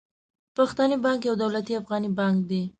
پښتني بانک يو دولتي افغاني بانک دي.